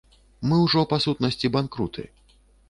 Мы ўжо, па сутнасці, банкруты.